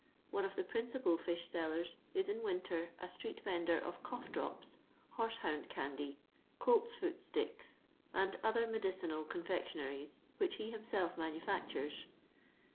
One of the principal fish sellers is in winter a stree^vendor of cough drops, hore hound candy, coltsfoot sticks, and other medicinal confectionaries, which he himself manufactures.